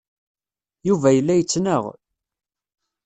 Yuba yella yettnaɣ.